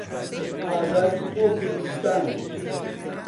ئازادی بۆ کوردستان!